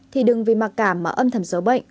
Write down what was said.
thì đừng vì mặc cảm mà âm thầm dấu bệnh